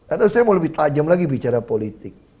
atau saya mau lebih tajam lagi bicara politik